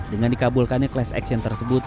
dengan dikabulkannya class action tersebut